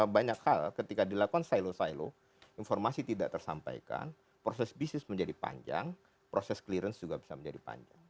banyak hal ketika dilakukan silo silo informasi tidak tersampaikan proses bisnis menjadi panjang proses clearance juga bisa menjadi panjang